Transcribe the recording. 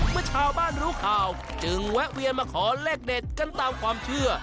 เมื่อชาวบ้านรู้ข่าวจึงแวะเวียนมาขอเลขเด็ดกันตามความเชื่อ